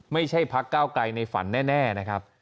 ไม่ใช่พักก้าวไกลในฝันแน่นะครับ